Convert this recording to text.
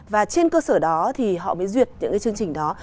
và trên cơ sở đó thì họ mới duyệt những cái chương trình đó